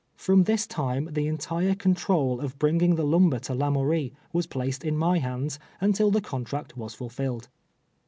From this time the entire control of bringing the lumber to Lamourie was placed in my hands until the contract was fulfilled.